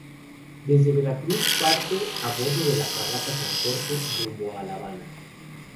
Desde Veracruz parte, a bordo de la fragata "San Jorge" rumbo a La Habana.